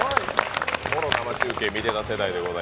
もろ生中継、見てた世代です。